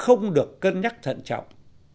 không được cân nhắc thận trọng